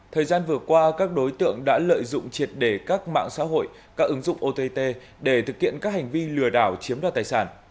thời gian vừa qua các đối tượng đã lợi dụng triệt đề các mạng xã hội các ứng dụng ott để thực hiện các hành vi lừa đảo chiếm đoạt tài sản